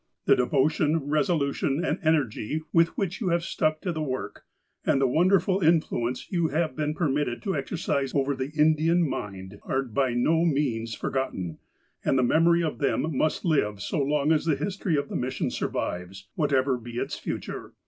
The devo tion, resolution, and energy with which you have stuck to the work, and the wonderful influence you have been permitted to exercise over the Indian mind are by no means forgotten, and the memory of them must live so long as the history of the mission survives, whatever be its future.